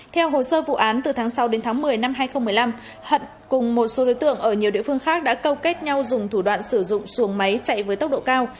theo hồ sơ vụ án từ tháng sáu đến tháng một mươi năm hai nghìn một mươi năm hận cùng một số đối tượng ở nhiều địa phương khác đã câu kết nhau dùng thủ đoạn sử dụng xuồng máy chạy với tốc độ cao